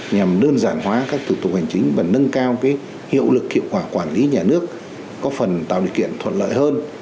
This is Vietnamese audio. và nâng cao cái hiệu lực hiệu quả quản lý nhà nước có phần tạo điều kiện thuận lợi hơn